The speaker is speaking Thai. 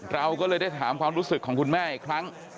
เราก็เลยได้ถามความรู้สึกของคุณแม่อีกครั้ง